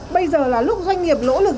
bây giờ là lúc doanh nghiệp lỗ lực